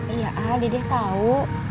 iya ah dede tau